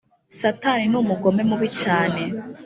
Satani numugome mubi cyane